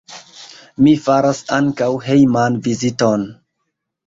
Mi faras ankaŭ hejman viziton.